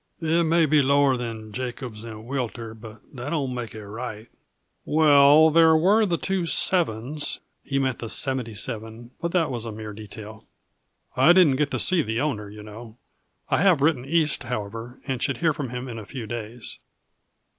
"It may be lower than Jacobs and Wilter, but that don't make it right." "Well, there were the Two Sevens" he meant the Seventy Seven, but that was a mere detail "I didn't get to see the owner, you know. I have written East, however, and should hear from him in a few days."